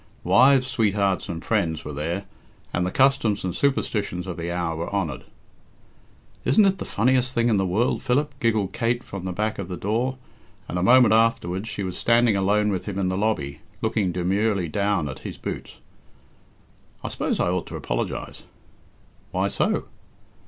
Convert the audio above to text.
Wives, sweethearts, and friends were there, and the customs and superstitions of the hour were honoured. "Isn't it the funniest thing in the world, Philip?" giggled Kate from the back of the door, and a moment afterwards she was standing alone with him in the lobby, looking demurely down at his boots. "I suppose I ought to apologise." "Why so?"